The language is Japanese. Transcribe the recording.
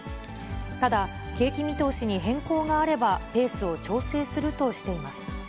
ただ、景気見通しに変更があれば、ペースを調整するとしています。